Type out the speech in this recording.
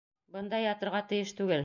Бында ятырға тейеш түгел.